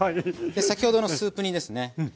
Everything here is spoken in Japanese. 先ほどのスープ煮ですね。